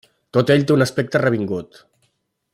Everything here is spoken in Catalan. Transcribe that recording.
Tot ell té un aspecte revingut.